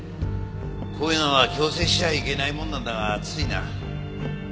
こういうのは強制しちゃいけないもんなんだがついな。